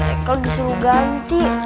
ekel disuruh ganti